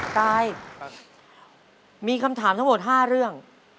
ตายมีคำถามทั้งหมด๕เรื่อง